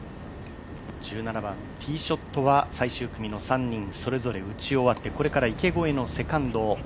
１７番、ティーショットは最終組の３人、それぞれ打ち終わってこれから池越えのセカンド。